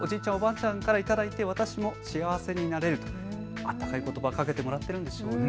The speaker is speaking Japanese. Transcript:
あたたかいことば、かけてもらっているんでしょうね。